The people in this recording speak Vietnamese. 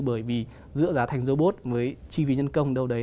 bởi vì giữa giá thành robot với chi phí nhân công đâu đấy